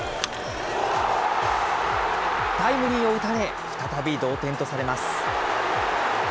タイムリーを打たれ、再び同点とされます。